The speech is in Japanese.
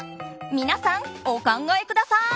皆さん、お考えください。